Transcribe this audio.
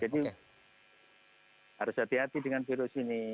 jadi harus hati hati dengan virus ini